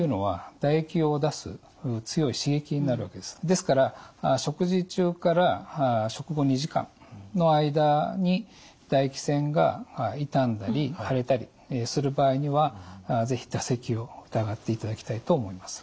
ですから食事中から食後２時間の間に唾液腺が痛んだり腫れたりする場合には是非唾石を疑っていただきたいと思います。